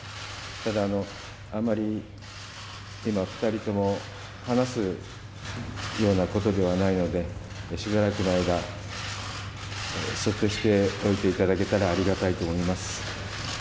ただ、あまり今、２人とも、話すようなことではないので、しばらくの間、そっとしておいていただけたらありがたいと思います。